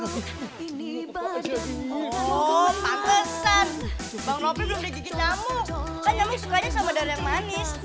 kan nyamuk sukanya sama darah yang manis